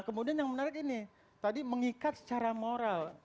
kemudian yang menarik ini tadi mengikat secara moral